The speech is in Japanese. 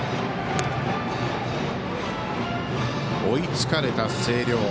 追いつかれた星稜。